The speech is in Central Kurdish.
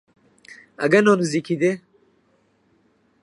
ئەگەنۆ نزیکی دێ